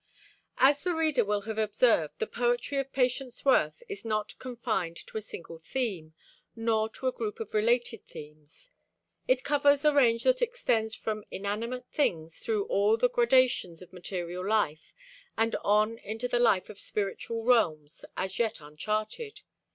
As the reader will have observed, the poetry of Patience Worth is not confined to a single theme, nor to a group of related themes. It covers a range that extends from inanimate things through all the gradations of material life and on into the life of spiritual realms as yet uncharted.